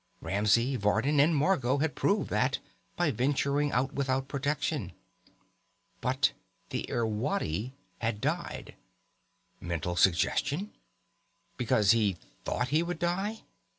Ramsey, Vardin and Margot had proved that by venturing out without protection. But the Irwadi had died. Mental suggestion? Because he thought he would die?